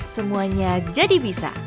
semuanya jadi bisa